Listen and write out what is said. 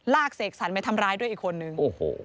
เสกสรรไปทำร้ายด้วยอีกคนนึง